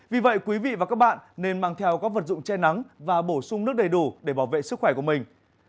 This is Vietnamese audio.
vì vậy quý vị và các bạn nên mang theo các vật dụng che nắng và bổ sung nước đầy đủ để bảo vệ sức khỏe của mình